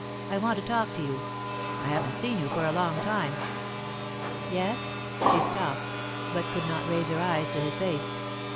I want to talk to you. I haven't seen you for a long time." "Yes?" She stopped, but could not raise her eyes to his face.